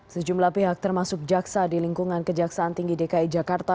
sejumlah pihak termasuk jaksa di lingkungan kejaksaan tinggi dki jakarta